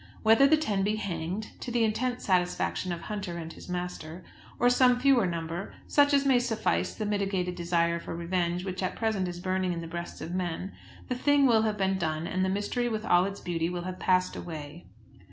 Whether the ten be hanged, to the intense satisfaction of Hunter and his master, or some fewer number, such as may suffice the mitigated desire for revenge which at present is burning in the breasts of men, the thing will have been done, and the mystery with all its beauty will have passed away.